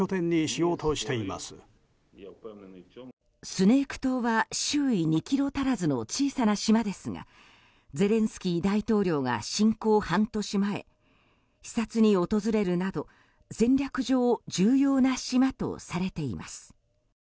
スネーク島は周囲２ｋｍ足らずの小さな島ですがゼレンスキー大統領は侵攻半年前視察に訪れるなど戦略上重要な島とされています。